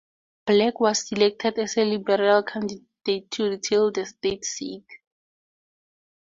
Black was selected as the Liberal candidate to retain the state seat.